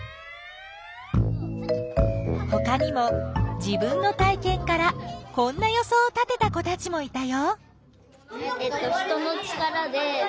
ほかにも自分の体験からこんな予想を立てた子たちもいたよ。